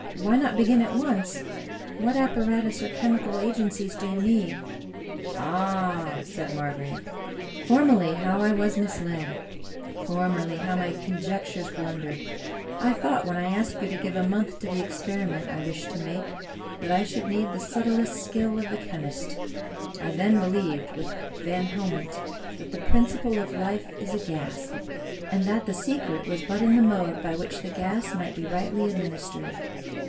Why not begin at once? ' What appa ratus or chemical agencies do you need? "" Ah !" said Margrave. " Formerly, how I was misled t Formerly, how my conjectures blundered ! I thought, when I asked you to give a month to the experiment I wish to make, that I should need the subtlest skill of the chemist, I then believed, with Van Helmont, that the principle of 71 English Mystery Stories life IS a gas, and that the secret was but in the mode by which the gas might be rightly administered.